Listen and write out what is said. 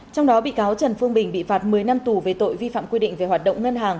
trong đó bị cáo trần phương bình bị phạt một mươi năm tù về tội vi phạm quy định về hoạt động ngân hàng